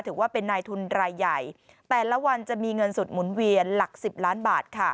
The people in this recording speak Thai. ถือว่าเป็นนายทุนรายใหญ่แต่ละวันจะมีเงินสดหมุนเวียนหลัก๑๐ล้านบาท